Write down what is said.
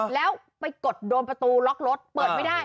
แล้วไปกดโดนประตูล็อกรถเปิดไม่ได้